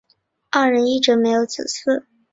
二人一直没有子嗣。